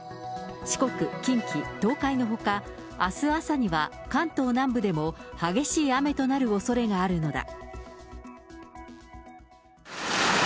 四国、近畿、東海のほか、あす朝には関東南部でも激しい雨となるおそれがあるのだ。